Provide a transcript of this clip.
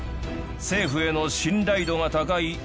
政府への信頼度が高い